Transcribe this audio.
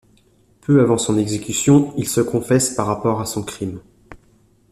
Peu avant son exécution, il se confesse par rapport a son crime.